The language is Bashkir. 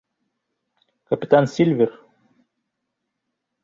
КАПИТАН СИЛЬВЕР